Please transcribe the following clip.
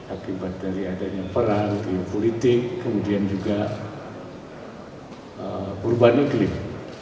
akibat dari adanya perang geopolitik kemudian juga perubahan iklim